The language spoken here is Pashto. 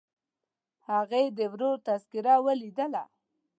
هغې د ورور تذکره ولیدله.